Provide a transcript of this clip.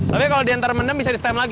tapi kalau diantara mendem bisa di stem lagi